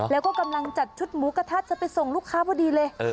แล้วก็กำลังจัดชุดหมูกระทะจะไปส่งลูกค้าพอดีเลย